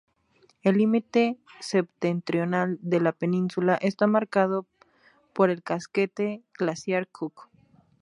El límite septentrional de la península está marcado por el casquete glaciar Cook.